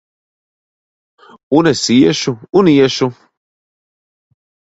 Un es iešu un iešu!